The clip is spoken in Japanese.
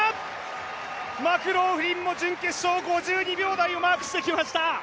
マクローフリンも準決勝５２秒台をマークしてきました！